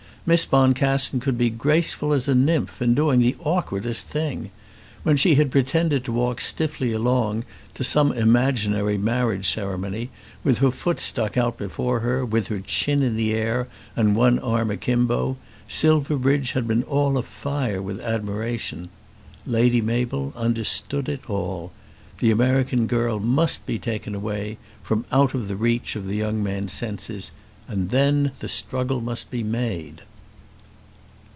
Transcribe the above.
Miss Boncassen could be graceful as a nymph in doing the awkwardest thing! When she had pretended to walk stiffly along, to some imaginary marriage ceremony, with her foot stuck out before her, with her chin in the air, and one arm akimbo, Silverbridge had been all afire with admiration. Lady Mabel understood it all. The American girl must be taken away, from out of the reach of the young man's senses, and then the struggle must be made.